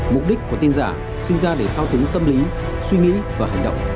mục đích của tin giả sinh ra để thao túng tâm lý suy nghĩ và hành động